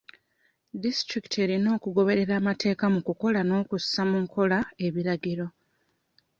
Disitulikiti erina okugoberera amateeka mu kukola n'okussa mu nkola ebiragiro.